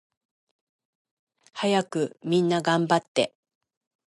はやくみんながんばって